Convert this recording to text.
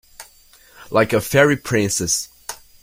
Like a fairy princess.